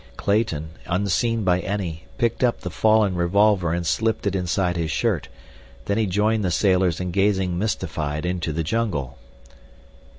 Clayton, unseen by any, picked up the fallen revolver and slipped it inside his shirt, then he joined the sailors in gazing, mystified, into the jungle.